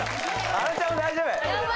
あのちゃんも大丈夫！